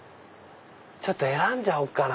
選んじゃおうかな。